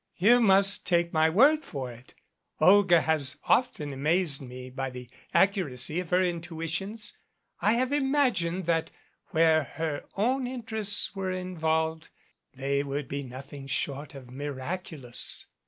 You must take my word for it. Olga has often amazed me by the accuracy of her intuitions. I have imagined that where her own interests were involved they would be nothing short of miraculous.